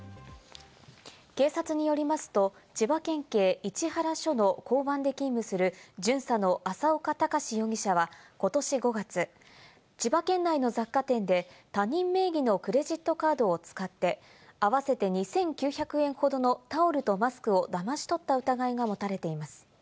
警察によりますと、千葉県警市原署の交番で勤務する巡査の浅岡高志容疑者はことし５月、千葉県内の雑貨店で他人名義のクレジットカードを使って合わせて２９００円ほどのタオルとマスクをだまし取った疑いが持たれています。